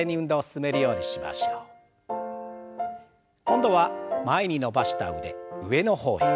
今度は前に伸ばした腕上の方へ。